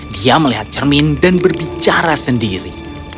dia melihat cermin dan berbicara sendiri